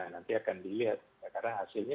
nanti akan dilihat karena hasilnya